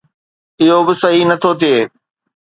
اهو به صحيح نٿو ٿئي.